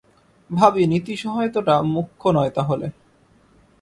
ভাবি, নীতি সহায়তাটা মুখ্য নয় তাহলে।